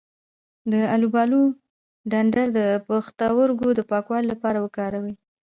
د الوبالو ډنډر د پښتورګو د پاکوالي لپاره وکاروئ